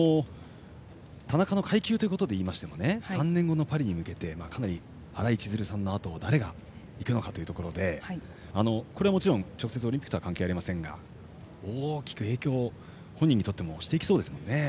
田中の階級ということでいいましても３年後のパリに向けてかなり、新井千鶴さんのあとを誰がいくのかというところでこれはもちろん直接オリンピックとは関係ありませんが大きく影響を本人にとってもしていきそうですよね。